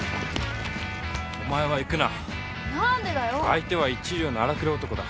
相手は一寮の荒くれ男だ。